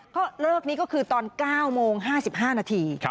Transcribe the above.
ก็เลิกนี้ก็คือตอน๙โมง๕๕นาที